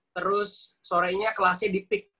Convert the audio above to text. terus sorenya kelasnya dipik